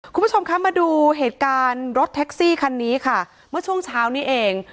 คุณผู้ชมคะมาดูเหตุการณ์รถแท็กซี่คันนี้ค่ะเมื่อช่วงเช้านี้เอง